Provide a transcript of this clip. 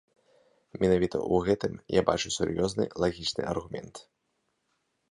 Менавіта ў гэтым я бачу сур'ёзны лагічны аргумент.